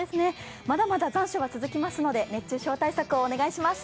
まだまだ残暑が続きますので、熱中症対策をお願いします。